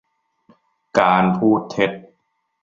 การพูดเท็จ